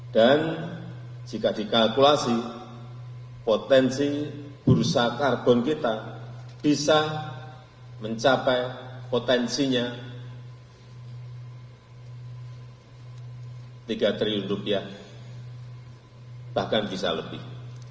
dan jika dikalkulasi potensi bursa karbon kita bisa mencapai potensinya tiga triliun rupiah bahkan bisa lebih